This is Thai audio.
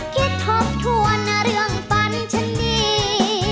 ทบทวนนะเรื่องฝันฉันดี